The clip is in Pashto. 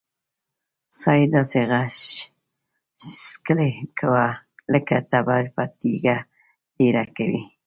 سا يې داسې غژس کوه لک تبر په تيږه تېره کوې.